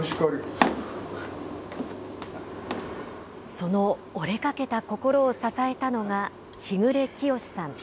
その折れかけた心を支えたのが、日暮清さん。